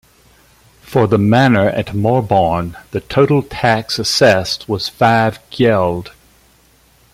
For the manor at Morborne the total tax assessed was five geld.